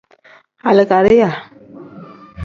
Alikariya.